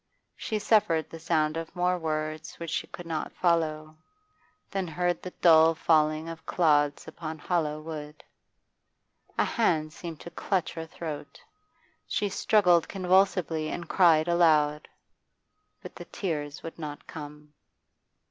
She suffered the sound of more words which she could not follow, then heard the dull falling of clods upon hollow wood. A hand seemed to clutch her throat, she struggled convulsively and cried aloud. But the tears would not come.